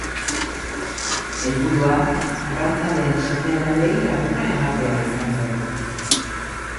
Helburua arrantzaleen seme-alabei arreta ematea izan zen.